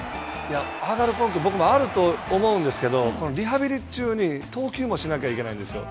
僕もあると思うんですけどリハビリ中に投球もしなければいけないんです。